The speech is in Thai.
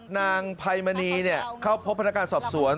นางไพมณีเนี่ยเข้าพบพนักการสอบสวน